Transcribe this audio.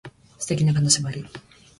素敵な金縛り